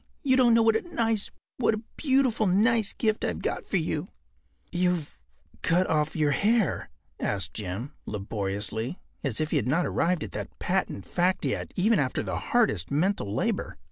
You don’t know what a nice—what a beautiful, nice gift I’ve got for you.” “You’ve cut off your hair?” asked Jim, laboriously, as if he had not arrived at that patent fact yet even after the hardest mental labor.